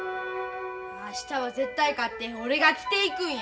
明日は絶対勝って俺が着ていくんや。